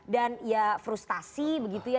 dan ya frustasi begitu ya